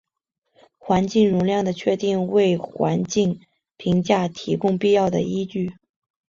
环境容量的确定为环境评价提供必要的依据。